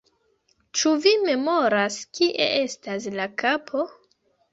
Ĉu vi memoras kie estas la kapo?